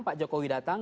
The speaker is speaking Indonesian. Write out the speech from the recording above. pak jokowi datang